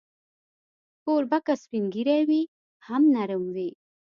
کوربه که سپین ږیری وي، هم نرم وي.